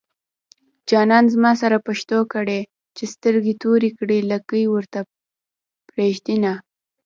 جانان زما سره پښتو کړي چې سترګې توري کړي لکۍ ورته پرېږدينه